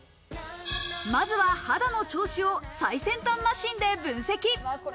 まずは肌の調子を最先端マシンで分析。